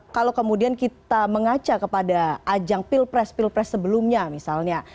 kalau kemudian kita mengaca kepada ajang pilpres pilpres sebelumnya misalnya